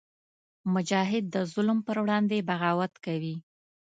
مجاهد د ظلم پر وړاندې بغاوت کوي.